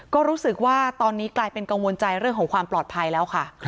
ก็รู้สึกว่าตอนนี้กลายเป็นกังวลใจเรื่องของความปลอดภัยแล้วค่ะ